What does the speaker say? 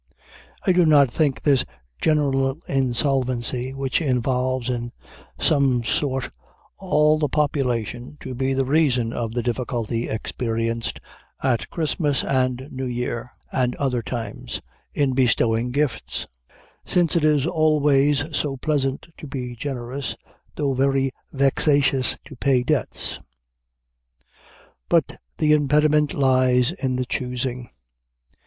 I do not think this general insolvency, which involves in some sort all the population, to be the reason of the difficulty experienced at Christmas and New Year, and other times, in bestowing gifts; since it is always so pleasant to be generous, though very vexatious to pay debts. But the impediment lies in the choosing.